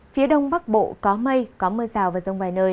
phía đông bắc bộ có mây có mưa rào và rông vài nơi